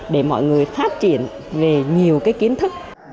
để mọi người phát triển về nhiều cái kiến thức